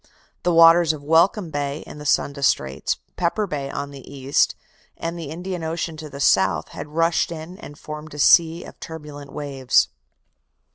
The waters of Welcome Bay in the Sunda Straits, Pepper Bay on the east, and the Indian Ocean on the south, had rushed in and formed a sea of turbulent waves.